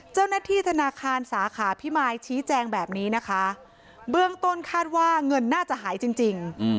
เจ้าหน้าที่ธนาคารสาขาพิมายชี้แจงแบบนี้นะคะเบื้องต้นคาดว่าเงินน่าจะหายจริง